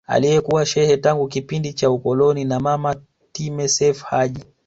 Aliyekuwa shekhe tangu kipindi cha ukoloni na mama Time Seif Haji